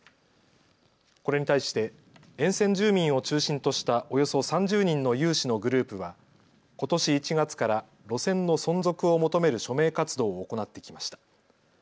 これに対して沿線住民を中心としたおよそ３０人の有志のグループはことし１月から路線の存続を求める署名活動を行ってきました。